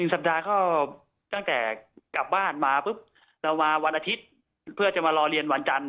นัดแนะผ่านกลุ่มเฟซบุ๊คครับ